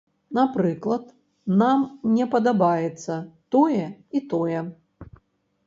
Напрыклад, нам не падабаецца тое і тое.